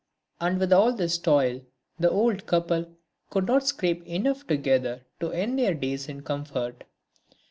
And with all this toil the old couple could not scrape enough together to end their days in comfort.